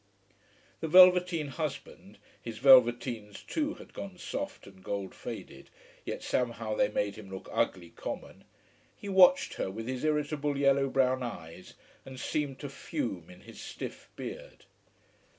The velveteen husband his velveteens too had gone soft and gold faded, yet somehow they made him look ugly, common he watched her with his irritable, yellow brown eyes, and seemed to fume in his stiff beard.